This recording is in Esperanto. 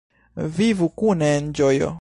Vivu kune en ĝojo!